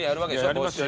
やりますよ。